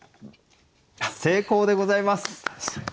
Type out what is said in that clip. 成功でございます！